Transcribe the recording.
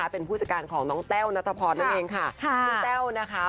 เป็นผู้จัดการของน้องแต้วนัทพรนั่นเองค่ะคุณแต้วนะคะ